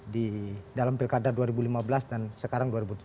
di dalam pilkada dua ribu lima belas dan sekarang dua ribu tujuh belas